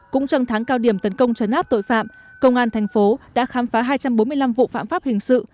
cũng trong tháng cao điểm tấn công chấn áp tội phạm công an tp đà nẵng đã khám phá hai trăm bốn mươi năm vụ phạm pháp hình sự